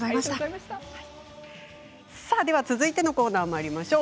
続いてのコーナーまいりましょう。